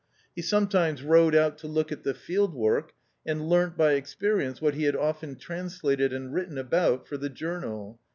He sometimes rode out to look at the field work and learnt by experience what he had often translated and written about for the journal.